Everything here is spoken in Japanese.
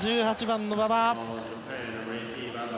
１８番の馬場。